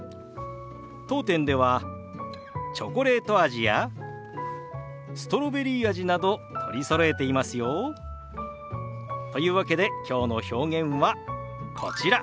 当店ではチョコレート味やストロベリー味など取りそろえていますよ。というわけできょうの表現はこちら。